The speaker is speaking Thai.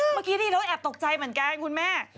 เมื่อกี้ที่เราแอบตกใจเหมือนกันคุณแม่